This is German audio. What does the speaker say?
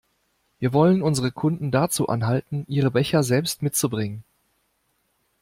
Wir wollen unsere Kunden dazu anhalten, ihre Becher selbst mitzubringen.